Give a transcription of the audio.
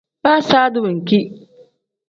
Baa saati wenki.